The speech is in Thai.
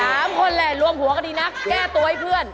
โอ๊ย๓คนเลยรวมหัวกันดีนะแก้ตัวให้เพื่อน